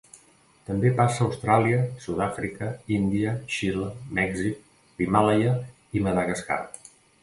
També passa a Austràlia, Sud Àfrica, Índia, Xile, Mèxic, l'Himàlaia i Madagascar.